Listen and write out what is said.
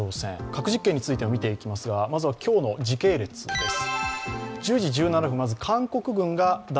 核実験についても見ていきますが、まずは今日の時系列です。